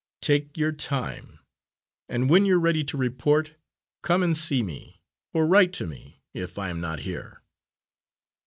Take your time, and when you're ready to report, come and see me, or write to me, if I am not here."